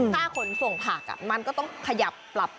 ขนส่งผักมันก็ต้องขยับปรับ